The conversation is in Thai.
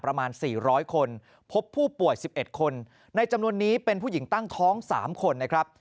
ประมาณ๔๐๐คนพบผู้ป่วย๑๑คนในจำนวนนี้เป็นผู้หญิงตั้งท้อง๓คนนะครับ